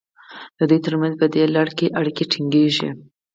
د دوی ترمنځ په دې لړ کې اړیکې ټینګیږي.